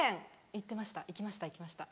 行ってました行きました行きました。